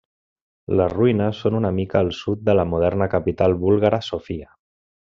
Les ruïnes són una mica al sud de la moderna capital búlgara Sofia.